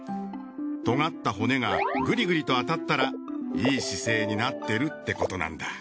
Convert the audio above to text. とがった骨がグリグリとあたったらいい姿勢になってるってことなんだ。